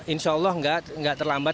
insya allah nggak terlambat